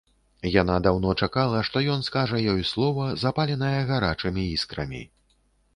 Яна даўно чакала, што ён скажа ёй слова, запаленае гарачымі іскрамі.